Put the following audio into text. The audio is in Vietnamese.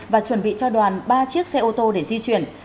và chuẩn bị cho đoàn ba chiếc xe ô tô để di chuyển